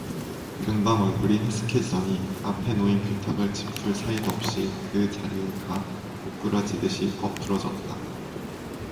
금방 얼굴이 해쓱해지더니 앞에 놓인 교탁을 짚을 사이도 없이 그 자리에가 고꾸라지듯이 엎으러졌다.